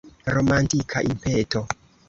Romantika impeto.